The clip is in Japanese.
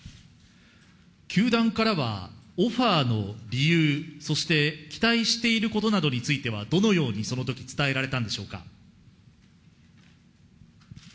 球団からはオファーの理由、そして期待していることなどについては、どのようにそのとき、伝えられたんでしょうか。